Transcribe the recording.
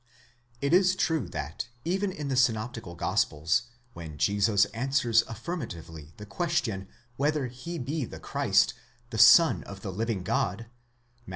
It is true that, even in the synoptical gospels, when Jesus answers affirma tively the question whether he be the Christ, the Son of the living God (Matt.